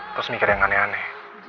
terus mikir yang aneh aneh